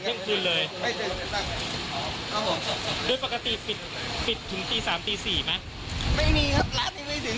ปิดเที่ยงคืนไม่ถึงเที่ยงคืนยังไม่ถึงเที่ยงคืนเลยไม่ถึง